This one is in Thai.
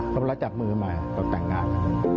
แล้วเมื่อจับมือเขามาเขาก็แต่งงาน